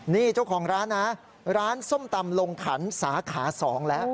นี่เจ้าของร้านนะร้านส้มตำลงขันสาขา๒แล้ว